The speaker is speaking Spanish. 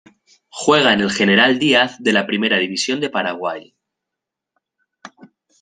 Juega en el General Díaz de la Primera División de Paraguay.